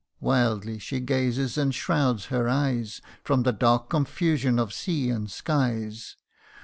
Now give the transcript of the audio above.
Wildly she gazes, and shrouds her eyes From the dark confusion of sea and skies.